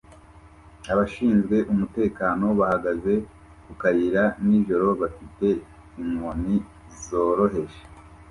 Abashinzwe umutekano bahagaze ku kayira nijoro bafite inkoni zoroheje